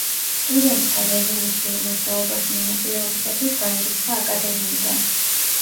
სტუდენტთა რევოლუციურ მოძრაობაში მონაწილეობისათვის გაირიცხა აკადემიიდან.